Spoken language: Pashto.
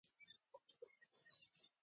خو د كليوالو حال چې مې ولېد پوه سوم.